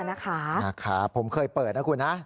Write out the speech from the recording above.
นะครับผมเคยเปิดนะคุณนะ